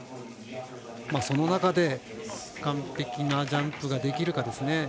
その中で完璧なジャンプができるかですね。